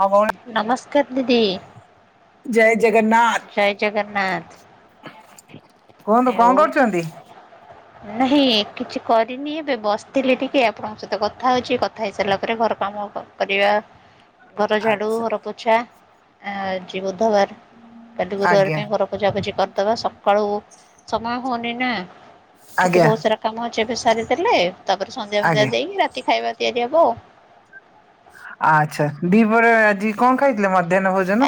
ହଁ ଭଉଣୀ ନମସ୍କାର ଦିଦି। ଜୟ ଜଗନ୍ନାଥ ଜୟ ଜଗନ୍ନାଥ। କୁହନ୍ତୁ କଣ କରୁଛନ୍ତି? ନାଇଁ କିଛି କରିନି ଏବେ ବସିଥିଲି ଟିକେ, ଆପଣଙ୍କ ସହିତ କଥା ହଉଛି, କଥା ହେଇସାରିଲା ପରେ ଘର କାମ କରିବା, ଘର ଝାଡ଼ୁ ଆଚ୍ଛା ଘରପୋଛା ଆଜି ବୁଧବାର, କାଲି ଗୁରୁବାର ଆଜ୍ଞା ପାଇଁ ଘର ପୂଜାପୂଜି କରିଦେବା ସକାଳୁ ସମୟ ହଉନି ନା, ଠିକେ ଆଜ୍ଞା ବହୁତ ସାରା କାମ ଅଛି ଏବେ ସାରିଦେଲେ ତାପରେ ସନ୍ଧ୍ୟା ଫନ୍ଧ୍ୟା ଆଜ୍ଞା ଦେଇକି, ରାତି ଖାଇବା ତିଆରି ହବ ଆଉ। ଆଛା, ଦି ହପରେ ଆଜି କଣ ଖାଇଥିଲେ, ମତେ--?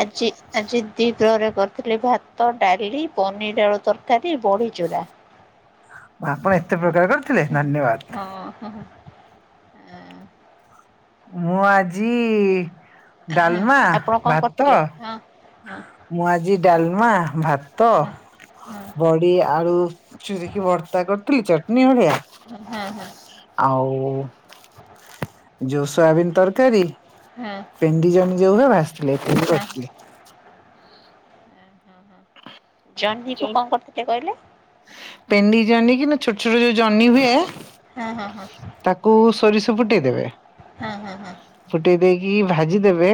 ଆଜି ଆଜି ଦିପହରେ କରିଥିଲି ଭାତ, ଡାଲି, ପନିର ଆଳୁ ତରକାରୀ, ବଢି ଚୁରା। ଆପଣ ଏତେ ପ୍ରକାର କରିଥିଲେ? ଧନ୍ୟବାଦ। ହୁଁ। [unintelligible] ମୁଁ ଆଜି ଡାଲମା, ଆପଣ କଣ ଭାତ କରୁଥିଲେ? ହଁ ହଁ ମୁଁ ଆଜି ଡାଲମା, ଭାତ ହଁ ହଁ ହଁ ବଡି ଆଳୁ ଚୁରିକି ଭର୍ତ୍ତା କରିଥିଲି ଚ ନିଉଳିଆ ହଁ ହଁ ଆଉ ସୋୟାବିନ୍ ତରକାରୀ, ହଁ ପେଣ୍ଡି ଜନ୍ହି ଯୋଉ ଗୁରାକ ଭାଯି ଥିଲେ [unintelligible] ହଁ। କରିଥିଲେ। ଜହ୍ନି କୁ କଣ କରିଥିଲେ କହିଲେ? [unintelligible] ପେଣ୍ଡି ଜହ୍ନି କି ନା ଛୋଟ ଛୋଟ ଯୋଉ ଜହ୍ନି ହୁଏ ହଁ ହଁ ହଁ ତାକୁ ସୋରିଷ ଫୁଟେଇଦବେ, ହଁ ହଁ ହଁ ଫୁଟେଇ ଦେଇକି ଭାଜି ଦେବେ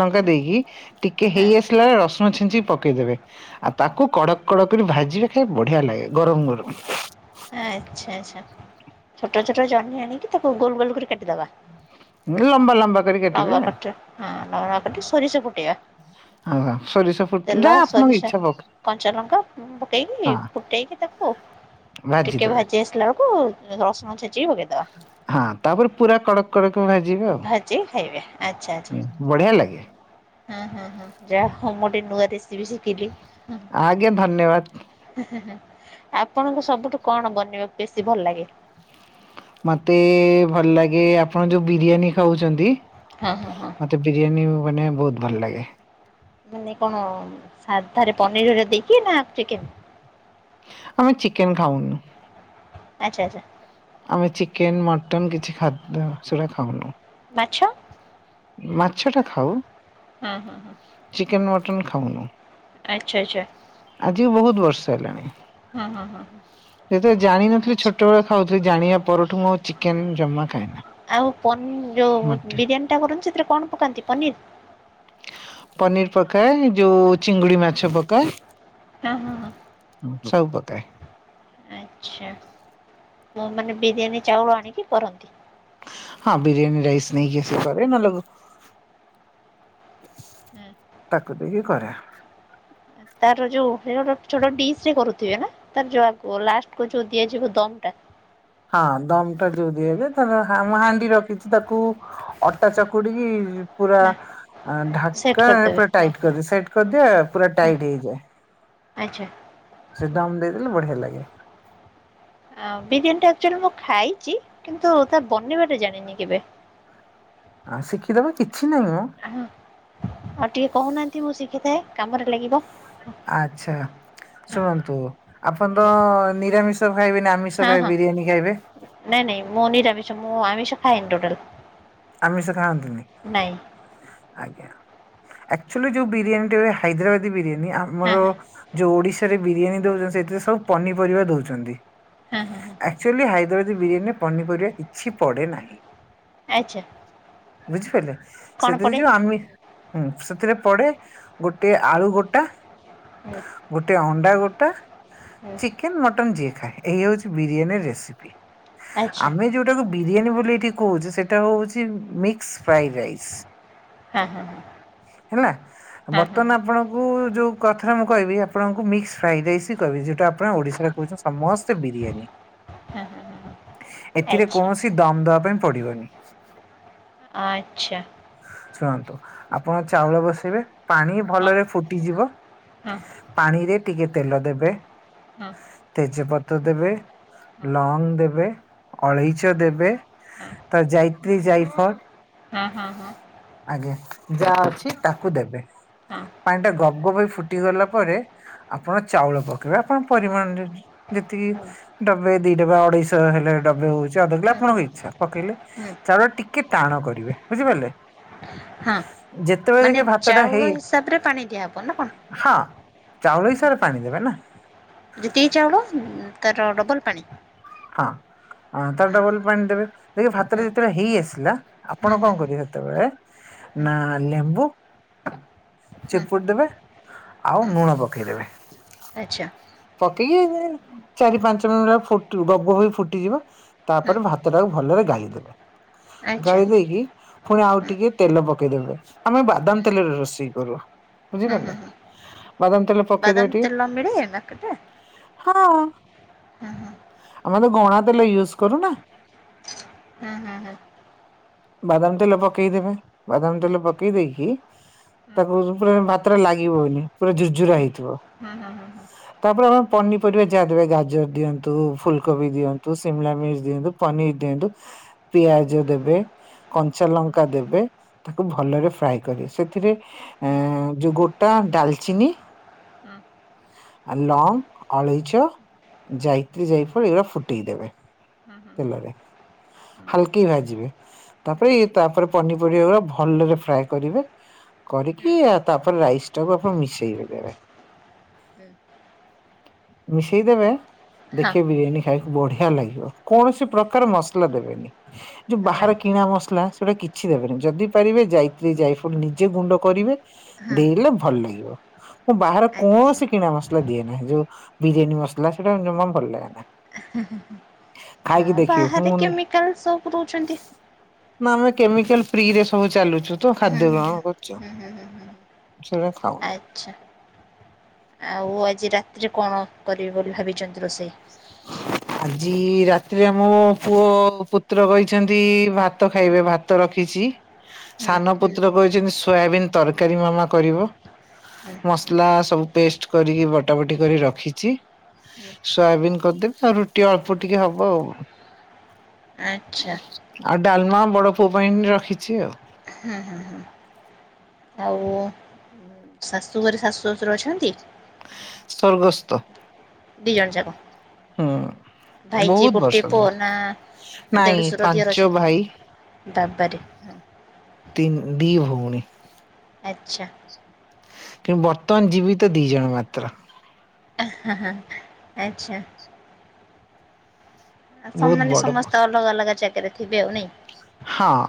ଲଙ୍କା ଦେଇକି, ଟିକେ ହଁ। ହେଇ ଆସିଲା ର ଛିଞ୍ଚି ପକେଇଦେବେ, ଆଉ ତାକୁ କଡ଼ କଡ଼ କରି ଭାଜିବା ଖାଇବେ, ବଢିଆ ଲାଗେ ଗରମ ଗରମ ଆଛା ଆଛା, ଛୋଟ ଛୋଟ ଜହ୍ନି ଆଣିକି ତାକୁ ଗୋଲ ଗୋଲ କରି କାଟିଦବା । ଲମ୍ବା ଲମ୍ବା କରି କାଟିବେ ଲମ୍ବା କଟ, ହଁ ଲବବା କଟ, ସୋରିଷ ଫୁଟେଇବା ହଁ ସୋରିଷ ଫୁଟ ତେଲ, ଯାହା ଆପଣଙ୍କ ସୋରିଷା, ଇଚ୍ଛା ପକ କଞ୍ଚା ଲଙ୍କା, ପକେଇକି ହଁ ଫୁଟେଇକି ତାକୁ ଟିକେ ଭାଜିଦେବେ ଭାଜି ଆସିଲା ବେଳକୁ, ରସୁଣ ଛେଚିକି ପକେଇଦବା। ହଁ ତାପରେ ପୁରା କଡକ କଡକ ଭାଜିବ ଆଉ, ଭାଜିକି ଖାଇବେ ଆଚ୍ଛା ଆଚ୍ଛା। ବଢିଆ ଲାଗେ । ହଁ ହଁ ହଁ, ଯାହା କୁହ ମୁଁ ଗୋଟେ ନୂଆ ରେସିପି ଶିଖିଲି । ଆଜ୍ଞା ଧନ୍ୟବାଦ [unintelligible] ଆପଣଙ୍କ ସବୁଠୁ କଣ ବନେଇବା ବେଶୀ ଭଲ ଲାଗେ? ମତେ ଭଲ ଲାଗେ ଆପଣ ଯୋଉ ବିରିୟାନୀ ଖାଉଛନ୍ତି ହଁ ହଁ ହଁ। ମତେ ବିରିୟାନୀ ମାନେ ବହୁତ ଭଲ ଲାଗେ । ମାନେ କଣ ସାଧାରେ ପନିରରେ ଦେଇକି ନା। ଚିକେନ ଆମେ ଚିକେନ୍ ଖାଉନୁ । ଆଛା ଆଛା । ଆମେ ଚିକେନ, ମଟନ କିଛି ଖାଦ୍ୟ ସେଟା ଖାଉନୁ । ଆଛା। ଉଁ ମାଛ ଟା ଖାଉ ହଁ ହଁ ଚିକେନ, ମଟନ ଖାଉନୁ। ଆଛା ଆଛା। ବର୍ଷେ ହେଲାଣି। ହଁ ହଁ ହଁ ହୁଁ। ଯେତୋବେଳେ ଜାଣିନଥିଲି ଛୋଟବେଳେ ଖାଉଥିଲି। ଜାଣିବା ପରଠୁ ମୁଁ ଆଉ ଚିକେନ ଜମା ଖାଏନା। ଆଉ ପନ୍ ଯୋଉ ମଟନ ବିରିୟାନୀ ଟା କରୁନ। ସେଥିରେ କଣ ପକାନ୍ତି ପନିର? ପନିର ପକାଏ ଯୋଉ ଚିଙ୍ଗୁଡି ମାଛ ପକାଏ ହଁ ହଁ ହଁ। ସବୁ ପକା କାଏ। ଆଚ୍ଛା ମୁଁ ମାନେ ବିରିୟାନୀ ଚାଉଳ ଆଣିକି କରନ୍ତି। ହଁ ବିରିୟାନୀ ରାଇସ ନେଇକି ଆସିକି କରେ ନହଲେ ଘ ହୁଁ। ତାକୁ ଦେଇକି କରେ। ତାର ଯୋଉ ହେଇ ଗୋଟେ ଛୋଟ ଡିସରେ କରୁଥିବେ ନା? ତାର ଯୋଉ ଆଗ ଲାଷ୍ଟ କୁ ଯୋଉ ଦିଆଯିବ ଦମ ଟା ହଁ ଦମ ଟା ଯୋଉ ଦିଆ ହୁଏ। ତାର ହା ମୁଁ ହାଣ୍ଡି ରଖିଚି ତାକୁ ଅଟା ଚକୁଡି କି ପୁରା ହଁ। ଆ ସେଟ୍ ଢ଼ାଙ୍କା କରିଦେବେ। ପୁରା ହଁ ଟାଇଟ ହଁ କରିଦିଏ ସେଟ୍ କରିଦିଏ। ପୁରା ଟାଇଟ ହେଇଯାଏ। ଆଛା। ସେ ଦମ୍ ଦେଇଦେଲେ ବଢିଆ ଲାଗେ। ଆଁ ବିରିୟାନୀ ଟା ଅକ୍ଚୁଲିରେ ମୁଁ ଖାଇଚି କିନ୍ତୁ ତା ବନେଇବାଟା ଜାଣିନି କେବେ। [inaudible] ଆଁ ଶିଖିଦବା କି ଆହଁ ଆଉ ଟିକେ କୋହୁନାହାନ୍ତି ମୁଁ ଶିଖିଥାଏ। କାମରେ ଲାଗିବ। ଆଛା ହଁ ଶୁଣନ୍ତୁ ଆପଣ ତ ଆଜ୍ଞା ନିରାମିଷ ମୁଁ ଖାଇବିନି ଆମିଷ ହଁ ଖାଇବେ ହଁ ବିରିୟାନୀ ଖାଇବେ ନାଇଁ ନାଇଁ ମୁଁ ନିରାମିଷ ମୁଁ ଆମିଷ ଖାଇଏନି ଟୋଟାଲ। ଆମିଷ ଖାଆନ୍ତିନି? ନାଇଁ। ଆଜ୍ଞା ଆକ୍ଚୁଲି ଯୋଉ ବିରିୟାନୀ ଟି ହୁଏ ହାଇଦ୍ରାବାଦୀ ବିରିୟାନ ନି ହଁ ଆମର ହଁ ଯୋଉ ଓଡିଶାରେ ବିରିୟାନୀ ଦୋଉଚନ୍ତି ସେଥିରେ ସବୁ ପନିପରିବା ଦୋଉଚନ୍ତି। ହଁ ହଁ ହଁ ଆକ୍ଚୁଆଲି ହାଇଦ୍ରବାଦୀ ବିରିୟାନୀରେ ପନିପରିବା କିଛି ପଡ଼େ ନାହିଁ। ଆଛା। ବୁଝିପାଇଲେ ସେଥିରେ ପଡ଼େ? ଯୋଉ ଆମି ହୁଁ ସେଥିରେ ପଡେ ଗୋଟେ ଆଳୁ ଗୋଟା ହୁଁ ଗୋଟେ ଅଣ୍ଡା ଗୋଟା ହୁଁ ଚିକେନ୍ ମଟନ୍ ଯିଏ ଖାଏ ଏଇଆ ହୋଉଚି ବିରିୟାନୀ ରେସିପି। ଆଚ୍ଛା ଆମେ ଯୋଉଟାକୁ ବିରିୟାନୀ ବୋଲି ଏଇଠି କୋହୁଚେ ସେଟା ହୋଉଛି ଚି ମିକ୍ସ ଫ୍ରାଇ ରାଇସ୍। ହଁ ହଁ ହେଲା ହଁ ହଁ ହଁ ବର୍ତ୍ତମାନ ଆପଣଙ୍କୁ ଯୋଉ କଥାରେ ମୁଁ କହିବି ଆପଣଙ୍କୁ ମିକ୍ସ ଫ୍ରାଇ ରାଇସ୍ ହିଁ କହିବି ଯୋଉଟା ଆପଣ ଓଡିଶାରେ କୋହୁଚନ୍ତି ସମସ୍ତ ସ୍ତେ ବିରିୟାନୀ ହଁ ହଁ ହଁ ହଁ ଏଥିରେ ଆଚ୍ଛା। କୌଣସି ଦମ ଦବା ପାଇଁ ପଡିବନି। ଆଛା। ଶୁଣନ୍ତୁ ଆପଣ ଚାଉଳ ବସେଇବେ ପାଣି ହଁ ଭଲରେ ଫୁଟିଯିବ ହଁ ପାଣିରେ ଟିକେ ତେଲ ଦେବେ। ହଁ ହଁ ତେଜପତ୍ର ଦେବେ ହଁ ଲଙ୍ଗ ଦେବେ। ଅଳେଇଚ ଦେବେ ତ ଯାଇତ୍ରୀ ଯାଇଫର ହଁ ହଁ ହଁ। ଯାହା ଅଛି ତାକୁ ଦେବେ। ପାଣି ଟା ଗବ ଗବ ହେଇ ଫୁଟି ଗଲା ପରେ ଆପଣ ଚାଉଳ ପକେଇବେ ଆପଣ ପରିମାଣରେ ଯେତିକି ହୁଁ ହୁଁ ଡବେ ଦିଇ ଡବେ ଅଢେଇଶହ ହେଲେ ଡବେ ହୋଉଚି ଅଧଗିଲା ଆପଣ ଇଚ୍ଛା ପକେଇଲେ। ହୁଁ ଚାଉଳ ଟିକେ ଟାଣ କରିବେ ବୁଝିପାରିଲେ। ହଁ ଯେତେବେଳେ ମାନେ ଦେଖିବେ ଭାତ ଟା ଚାଉଳ ହେଇ ହିସାବରେ ପାଣି ଦିଆହବ ନା କଣ? ହଁ। ଚାଉଳ ହିସାବରେ ପାଣି ଦେବେ ନା। ଯେତିକି ଚାଉଳ ଉଁ, ତାର ଡବଲ୍ ପାଣି? ହଁ। ହଁ ତାର ହୁଁ ଡବଲ୍ ପାଣି ଦେବେ। ଦେଖିବେ ଭାତଟା ଯେତେବେଳେ ହେଇ ଆସିଲା ହୁଁ ଆପଣ କଣ ହୁଁ କରିବେ ସେତେବେଳେ ନା ଲେମ୍ବୁ ହ। ଚିପୁଡ଼ି ଦେବେ ଆଉ ଲୁଣ ପକେଇଦବେ । ଆଚ୍ଛା। ଏତିକି ଚାରି ପାଞ୍ଚ ମିନିଟ୍ ର ଫୁଟିବ ଗବ ଗବ ହେଇ ଫୁଟିଯିବ। ହୁଁ ତାପରେ ଭାତ ଟାକୁ ଭଲରେ ଗାଈ ଦେବେ। ଆଚ୍ଛା ଗାଳି ଦେଇକି ପୁଣି ଆଉ ହୁଁ ଟିକେ ତେଲ ପକେଇଦବେ। ଆମେ ବାଦାମ ହୁଁ ତେଲରେ ରୋଷେଇ କରୁ। ହୁଁ ହୁଁ ବୁଝିପାରିଲେ। ହୁଁ ବାଦାମ ତେଲ ବାଦାମ ପକେଇଦେବେ ଟିକେ। ତେଲ ମିଳେ ମାର୍କେଟରେ? ହଁ। ହୁଁ ଆମେ ତ ଗଣା ତେଲ ୟୁଜ୍ କରୁ ନା। ହଁ, ହଁ। ବାଦାମ ତେଲ ପକେଇଦେବେ। ବାଦାମ ତେଲ ପକେଇ ଦେଇକି ହୁଁ ତାକୁ ପୁରା ମାତ୍ର ଲାଗିବନି ପୁରା ଝୁୁରଝୁରା ହେଇଥିବ। ହୁଁ ହୁଁ ହୁଁ। ତାପରେ ଓ ପନିପରିବା ଯାହାଦେବେ ଗାଜର ଦିଅନ୍ତୁ। ଫୁଲକୋବି ଦିଅନ୍ତୁ। ସିମଲା ମିର୍ଚ ଦିଅନ୍ତୁ। ପନିର୍ ଦିଅନ୍ତୁ। ପିଆଜ ଦେବେ। କଞ୍ଚା ଲଙ୍କା ଦେବେ। ତାକୁ ଭଲରେ ଫ୍ରାଏ କରି। ସେଥିରେ ଏଁ, ଯୋଉ ଗୋ ତ ଡାଲଚିନି ହୁଁ। ଆ, ଲଙ୍ଗ୍, ଅଳେଇଚ। ଜାଇତ୍ରୀ ଜାଇଫଳ ଏଇଡା ଫୁଟେଇ ଦେବେ। ହୁଁ, ହୁଁ, ହୁଁ। ହାଲକି ଭାଜିବେ। ତାପରେ ଇ ତାପରେ ପନିପରିବା ଭଲରେ ଫ୍ରାଏ କରିବେ। କରିକି ତାପରେ ରାଇସ ଟାକୁ ଆପଣ ମିଶେଇ ଦେବେ। ଏ ମିଶେଇ ଦେବେ। ଦେଖିବେ ବିରିୟାନୀ ଖାଇବାକୁ ବଢିଆ ଲାଗିବ। କୌଣସି ପ୍ରକାର ମସଲା ଦେବେନି ଯୋଉ ବା ହେଲା ଆର କିଣା ମସଲା ସେଟା କିଛି ଦେବେନି। ଯଦି ପାରିବେ ଜାଇତ୍ରୀ ଜାଇଫଲ ନିଜେ ଗୁଣ୍ଡ କରିବେ ହଁ ଦେ ଇଲେ ଭଲ ଲାଗିବ। ମୁଁ ବାହାର ଆଚ୍ଛା କୌଣସି କିଣା ମସଲା ଦିଏ ନାହିଁ। ଯୋଉ ବିରିୟାନୀ ମସଲା ସେଟା ଜମା ଭଲ ଲାଗେ ନା। ଖାଇକି ହଁ ଦେଖିବେ ମୁଁ ବାହାରେ କେମିକାଲ୍ ସବୁ ପୁରଉଛନ୍ତି। ନା ଆମେ କେମିକାଲ୍ ଫ୍ରିରେ ସବୁ ଚାଲୁଚୁ ତ। ହୁଁ ଖାଦ୍ୟ ହୁଁ ହୁଁ ଗ୍ରହଣ କରୁଚୁ। ହୁଁ ହୁଁ ହୁଁ। ସେଟା ଖାଉନି। ଆଚ୍ଛା ଆଉ ଆଜି ରାତିରେ କଣ କରିବେ ବୋଲି ଭାବିଚନ୍ତି ରୋଷେଇ? ଆଜି ରାତିରେ ମୋ ପୁଅ ପୁତ୍ର କହିଛନ୍ତି ଭାତ ଖାଇବେ। ଭାତ ର ଖିଛି। ହୁଁ ସାନ ପୁତ୍ର କହିଛନ୍ତି ସୋୟାବିନ ତରକାରୀ ମାମା କରିବ। ହୁଁ ମସଲା ସବୁ ପେଷ୍ଟ କରିକି ବଟା ବଟି କରି ରଖିଛି। ହୁଁ, ସୋୟାବିନ କରିଦେବି। ଆଉ ରୁଟି ଅଳ୍ପ ଟିକେ ହବ ଆଉ ଆଚ୍ଛା ଆଉ ଡାଲମା ବଡ ପୁଅ ପାଇଁ ରଖିଛି ଆଉ। ହଁ ହଁ ହଁ ଆଉ ଶାଶୁ ଘରେ ଶାଶୁ ଶଶୁର ଅଛନ୍ତି? ସର୍ଗସ୍ତ। ଦି ଜଣ ଯାକ? ହଁ। ଭାଇ ଯିଏ ବହୁତ ଗୋଟେ ବର୍ଷ ପୁଅ ତଳେ। ନା ନାଇଁ ଦେଢଶୁର ଦିଅର ପାଞ୍ଚ ଅଛନ୍ତି ଭାଇ। ବାବାରେ। ତି-ଦି ଭଉଣୀ। ଆଚ୍ଛା। କିନ୍ତୁ ବର୍ତ୍ତମାନ ଜୀବ ତ ଦି ଜଣ ମାତ୍ର। ହଁ ହଁ ଆଚ୍ଛା। ବହୁତ ମାନେ ବଡ ପୁଅ। ସମସ୍ତେ ଅଲଗା ଅଲଗା ଜାଗାରେ ଥିବେ ଆଉ ନାଇଁ। ହଁ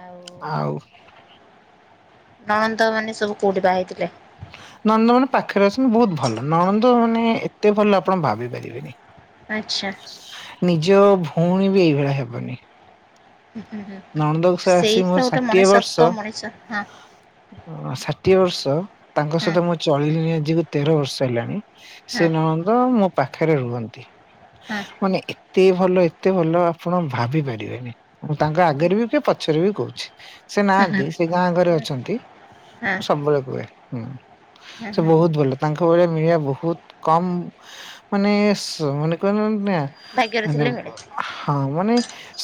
ଆଉ ଆଉ ନଣନ୍ଦ ମାନେ ସବୁ କୋଉଠି ବାହା ହେଇଥିଲେ? ନଣନ୍ଦ ମାନେ ପାଖରେ ଅଛନ୍ତି ବହୁତ ଭଲ ନଣନ୍ଦ ମାନେ ଏତେ ଭଲ ଆପଣ ଭାବି ପାରିବେନି। ଆଚ୍ଛା। ନିଜ ଭଉଣୀ ବି ଏଇଭଳିଆ ହେବନି। ହୁଁ ହୁଁ ହୁଁ। ନନ୍ଦକୋଷ ସେଇ ଆସି ତ ମୋର ଗୋଟେ ଷାଠିଏ ବର୍ଷ। ମଣିଷତ୍ୱ ମଣିଷ ହଁ ଷାଠିଏ ବର୍ଷ ତାଙ୍କ ହଁ ସହିତ ମୁଁ ଚଳିଲିଣିି ଆଜିକୁ ତେର ବର୍ଷ ହେଲାଣି ସେ ହଁ ନଣ ମୋ ପାଖରେ ରୁହନ୍ତି। ହଁ। ମାନେ ଏତେ ଭଲ ଏତେ ଭଲ ଆପଣ ଭାବି ପାରିବେନି। ତାଙ୍କ ଆଗରେ ବି କି ପଛରେ ବି କହୁଛି ସେ ହୁଁ ହୁଁ ହୁଁ ନାହାନ୍ତି ସେ ଗାଁ ଘରେ ହଁ ଅଛନ୍ତି। ହଁ ମୁଁ ସବୁବେଳେ କୁହେ ହୁଁ। ହୁଁ ସେ ହୁଁ ହୁଁ ବହୁତ ଭଲ ତାଙ୍କ ଭଳିଆ ମିଳିବା ବହୁତ କମ୍ ମାନେ ସେ କହନ୍ତି ନା ଭାଗ୍ୟରେ ମାନେ ଥିଲେ ମିଳେ ହଁ ମାନେ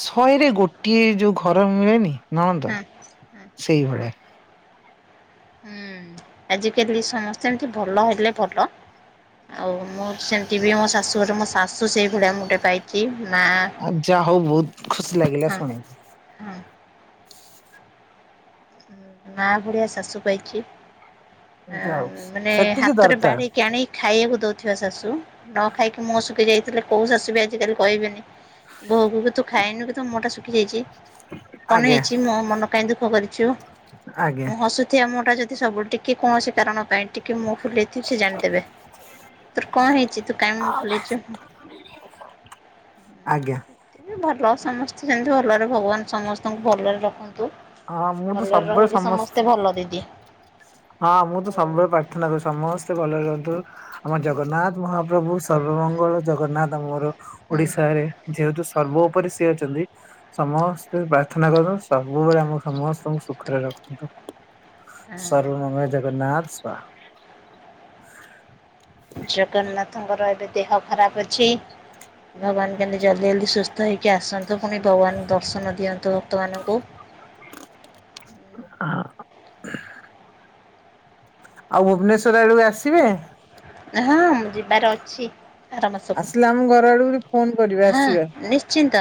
ଶହେରେ ଗୋ ଗୋଟିଏ ଯୋଉ ଘର ମିଳେନି ନଳନ୍ଦ ହୁଁ ହୁଁ। ସେଇଭଳିଆ। ହୁଁ ଆଜିକାଲି ସମସ୍ତେ ଏମିତି ଭଲ ହେଲେ ଭଲ। ଆଉ ମୁଁ ସେମିତି ବି ମୋ ଶାଶୁଘର ମୋ ଶାଶୁ ସେଇ ଭଳିଆ ମୁଁ ଗୋଟେ ପାଇଚି। ଆ ଯାହା ହଉ ବହୁତ ଖୁସି ଲାଗିଲା ହଁ ଶୁଣିକି। ହଁ ମା ଭଳିଆ ଶାଶୁ ପାଇଚି। ଯାଉ ମାନେ ସେତିକି ହାତରେ ଦରକାର ବାଢିକି ଆଣିକି ଖାଇବାକୁ ଦଉଥିବା ଶାଶୁ ନ ଖାଇକି ମୁହଁ ଶୁଖି ଯାଇ ଦେଲେ କୋଉ ଶାଶୁ ବି ଆଜିକାଲି କହିବେନି ବୋହୂକୁ କି ତୁ ଖାଇନୁ କି ତୋ ମୁହଁଟା ଶୁଖିଯାଇଛି। କଣ ଆଜ୍ଞା ହେଇଛି ମୋ ମନ କାହିଁ ଦୁଃଖ କରିଛୁ ଆଜ୍ଞା ମୁଁ ହସୁଥିବା ମୋର ଟା ଯଦି ସବୁଠିକି ଟିକେ କୌଣସି କାରଣ ପାଇଁ ଟିକେ ମୁଁ ଫୁଲେଇଛୁ ସିଏ ଜାଣିଦେବେ ତୋର କଣ ହେଇଚି ତୁ କାଇଁ ମୁହଁ ଫୁଲେଇଛୁ? ଆଜ୍ଞା। ଭଲ ସମସ୍ତେ ଯେମତି ଭଲରେ ଭଗବାନ ସମସ୍ତଙ୍କୁ ଭଲରେ ରଖନ୍ତିୁ। ହଁ ମୁଁ ତ ସବୁବେଳେ ସମସ୍ତ ଭଲ ଦିଦି ହଁ ମୁଁ ତ ଆଉ ସବୁବେଳେ ପ୍ରାର୍ଥନା କରୁଛି। ସମସ୍ତେ ଭଲ ରୁହନ୍ତୁ ଆମ ହୁଁ ଜଗନ୍ନାଥ ମହାପ୍ରଭୁ ସର୍ବମଙ୍ଗଳ ଜଗନ୍ନାଥ ଆମର ହୁଁ ଓଡ଼ିଶାରେ ଯେହେତୁ ସର୍ବ ଉପରେ ସିଏ ଅଛନ୍ତି ସମସ୍ତେ ପ୍ରାର୍ଥନା କରନ୍ତୁ ସବୁବେଳେ ଆମ ମ ସମସ୍ତଙ୍କୁ ସୁଖରେ ରଖନ୍ତୁ। ହଁ ସର୍ବ ମଙ୍ଗଳେ ଜଗନ୍ନାଥ ସ୍ୱାମୀ। ଜଗନ୍ନାଥଙ୍କର ଏବେ ଦେହ ଖରାପ ଅଛି। ଭଗବାନ କେମିତି ଜଲଦି ଜଲଦି ସୁସ୍ଥ ହେଇକି ଆସନ୍ତୁ ପୁଣି ଭଗବାନ ଦର୍ଶନ ଦିଅନ୍ତୁ। ଭକ୍ତ ମାନଙ୍କୁ। ହଁ। ଆଉ ଭୁବନେଶ୍ୱର ଆଡ଼ୁ ଆସିବେ? ହଁ ଯିବାର ଅଛି। ଆର ମାସକୁ ଆସିଲେ ଆମ ଘର ଆଡ଼କୁ ଫୋନ କରିବେ ହଁ ଆସିବେ। ନିଶ୍ଚିନ୍ତ।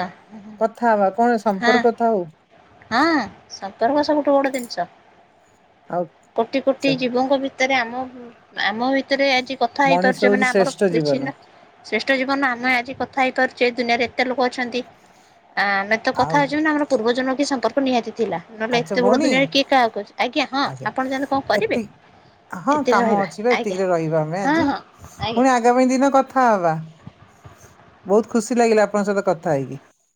କଥା ହବା କଣ ହଁ ସମ୍ପର୍କ ଥାଉ? ହଁ ସମ୍ପର୍କ ସେମିତି ଗୋଟେ ଜିନିଷ। କୋଟି କୋଟି ଆଉ ଜୀବଙ୍କ ଭିତରେ ଆମ ଆମ ଭିତରେ ଆଜି କଥା ମଣିଷ ହେଇପାରୁଛେ ମାନେ ହଉଛି ଆମର ଶ୍ରେଷ୍ଠ କିଛି ଜୀବନ ଶ୍ରେଷ୍ଠ ଜୀବନ ଆମେ ଆଜି ଥା ହେଇପାରୁଛେ ଏ ଦୁନିଆରେ ଏତେ ଲୋକ ଅଛନ୍ତି ଆ ଆମେ ତ କଥା ଆଉ ହେଉଛେ ଆମର ପୂର୍ବ ଜନ୍ମ ସମ୍ପର୍କ ନିହାତି ଥିଲା ନହେଲେ ଆଚ୍ଛା ଏତେ ବଡ଼ ଭଉଣୀ ଦୁନିଆରେ କିଏ କାହାକୁ ଅଛି ଆଜ୍ଞା ହଁ ଆପଣ ଜାେଲେ କଣ କରିବେ? ଏତି ହଁ ଏତିକି କାମ ରହିବା ଅଛି ବା ଆଜ୍ଞା ଏତିକିରେ ରହିବା। ହଁ ଆଜି ହଁ ଆଜ୍ଞା। ପୁଣି ଆଗାମୀ ଦିନ କଥା ହବା। ବହୁତ ଖୁସି ଲାଗିଲା ଆପଣଙ୍କ ସହିତ କଥା ହେଇକି।